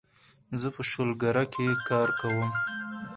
زه په شولګره کې کار کوم